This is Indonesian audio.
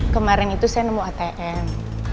kemarin itu saya nemu atm